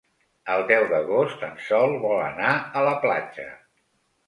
El deu d'agost en Sol vol anar a la platja.